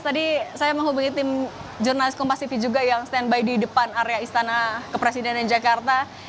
tadi saya menghubungi tim jurnalis kompasivi juga yang stand by di depan area istana kepresidennya jakarta